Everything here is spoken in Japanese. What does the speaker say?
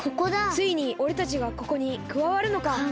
ついにおれたちがここにくわわるのか。